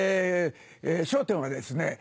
『笑点』はですね